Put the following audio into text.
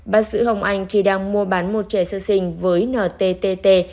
bác sĩ hồng anh khi đang mua bán một trẻ sơ sinh với ntttt